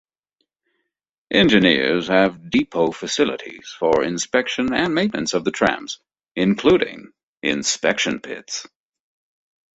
Engineers have depot facilities for inspection and maintenance of the trams, including inspection pits.